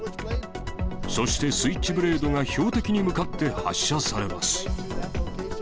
そしてスイッチブレードが標的に向かって発射されます。